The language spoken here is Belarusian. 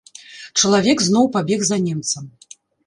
Чалавек зноў пабег за немцам.